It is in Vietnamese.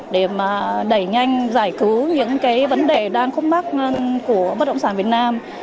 để đẩy nhanh giải cứu những vấn đề đang khúc mắc của bất động sản việt nam